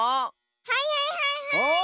はいはいはいはい！